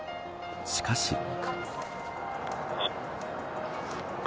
しかし。